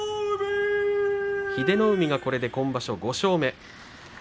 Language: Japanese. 英乃海がこれで今場所、５勝目。